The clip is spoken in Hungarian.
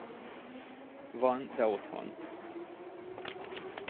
Van, de otthon.